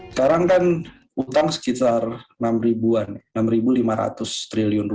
sekarang kan utang sekitar rp enam lima ratus triliun